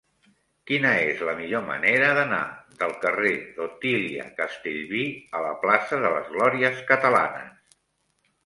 Quina és la millor manera d'anar del carrer d'Otília Castellví a la plaça de les Glòries Catalanes?